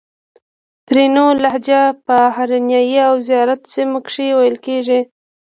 ترینو لهجه په هرنایي او زیارت سیمه کښې ویل کیږي